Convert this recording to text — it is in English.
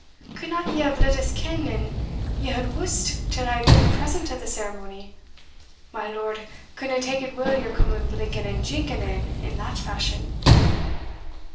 could not ye have let us ken an ye had wussed till hae been present at the ceremony? My lord couldna tak it weel your coming blinking and jinking in, in that fashion."